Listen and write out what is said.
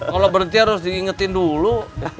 kalau berhenti harus diingetin dulu